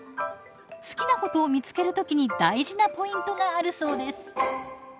好きなことを見つける時に大事なポイントがあるそうです。